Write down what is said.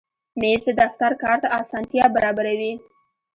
مېز د دفتر کار ته اسانتیا برابروي.